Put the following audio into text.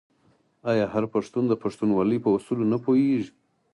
آیا هر پښتون د پښتونولۍ په اصولو نه پوهیږي؟